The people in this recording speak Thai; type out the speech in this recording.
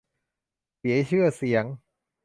เสียชื่อเสียง